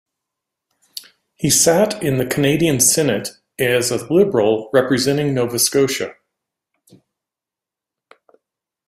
He sat in the Canadian Senate as a Liberal representing Nova Scotia.